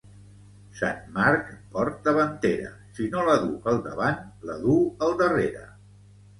Sant Marc porta ventera; si no la duu al davant, la duu al darrere.